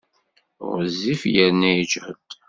Ɣezzif yerna yejhed.